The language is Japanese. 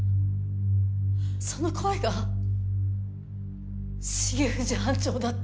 その声が重藤班長だった。